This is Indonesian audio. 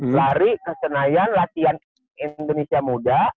lari ke senayan latihan indonesia muda